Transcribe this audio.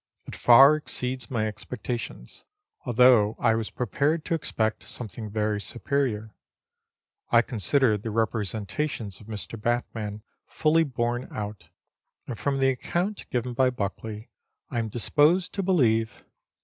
It far exceeds my expectations, although I was prepared to expect some thing very superior. I consider the representations of Mr. Batman fully borne out, and from the account given by Buckley, I am dis posed to believe